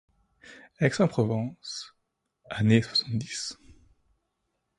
Aix-en-Provence, années soixante-dix.